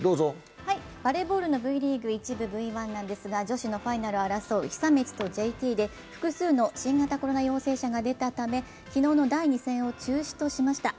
バレーボールのＶリーグ一部Ｖ１なんですが、女子のファイナルを争う久光とＪＴで複数の新型コロナ陽性者が出たため、昨日の第２戦を中止としました。